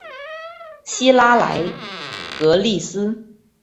希拉莱格利斯。